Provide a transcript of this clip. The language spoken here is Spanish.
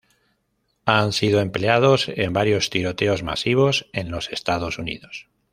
Han sido empleados en varios tiroteos masivos en los Estados Unidos.